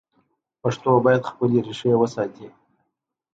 پښتو باید خپلې ریښې وساتي.